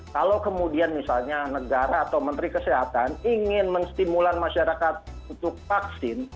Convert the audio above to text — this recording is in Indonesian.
kalau kemudian misalnya negara atau menteri kesehatan ingin menstimulan masyarakat untuk vaksin